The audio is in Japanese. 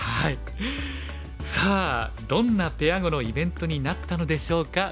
さあどんなペア碁のイベントになったのでしょうか。